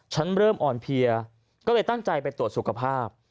เริ่มอ่อนเพลียก็เลยตั้งใจไปตรวจสุขภาพ